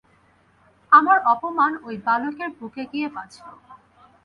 আমার অপমান ঐ বালকের বুকে গিয়ে বাজল।